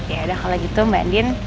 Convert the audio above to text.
yaudah kalo gitu mbak andin